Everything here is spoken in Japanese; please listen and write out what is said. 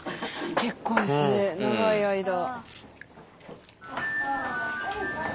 結構ですね長い間。